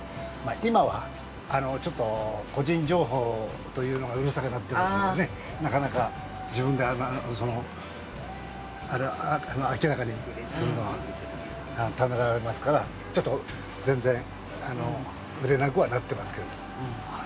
今はちょっと個人情報というのがうるさくなっていますのでなかなか自分を明らかにするのはためらわれますから全然、売れなくはなってますけど。